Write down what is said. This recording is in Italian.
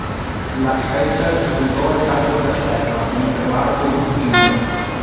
La Schaeffer gridò e cadde per terra, mentre Bardo fuggiva.